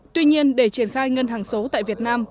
tuy nhiên để triển khai ngân hàng số tại việt nam